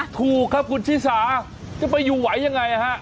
ถูกครับคุณชิสาจะไปอยู่ไหวยังไงฮะ